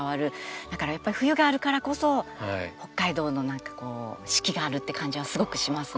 だからやっぱり冬があるからこそ北海道の四季があるって感じはすごくしますね。